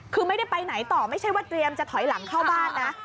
คือไม่ได้ไปไหนต่อไม่ใช่ว่าเตรียมจะถอยหลังเข้าบ้านนะ